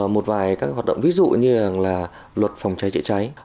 một vài các hoạt động ví dụ như là luật phòng cháy chữa cháy